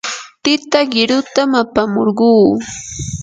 tita qirutam apamurquu.